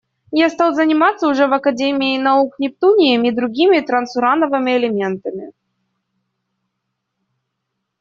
Я стал заниматься уже в Академии наук нептунием и другими трансурановыми элементами.